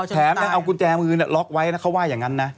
แถมยังเอากุญแจมือล็อกไว้นะเขาว่าอย่างนั้นนะ